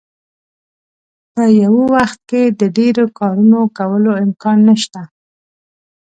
په یو وخت کې د ډیرو کارونو کولو امکان نشته.